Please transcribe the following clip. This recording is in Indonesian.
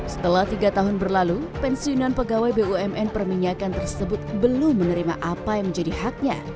setelah tiga tahun berlalu pensiunan pegawai bumn perminyakan tersebut belum menerima apa yang menjadi haknya